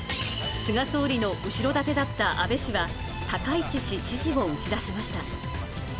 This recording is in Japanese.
菅総理の後ろ盾だった安倍氏は、高市氏支持を打ち出しました。